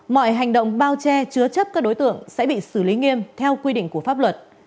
mọi hành động bao che chứa chấp các đối tượng sẽ bị xử lý nghiêm theo quy định của pháp luật